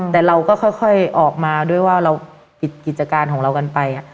แต่เราก็ค่อยออกมาด้วยว่าเราปิดกิจการของเรากันไป